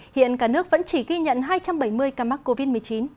hiện cả nước vẫn chỉ ghi nhận hai trăm bảy mươi ca mắc covid một mươi chín